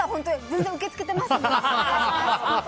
全然、受け付けてますから。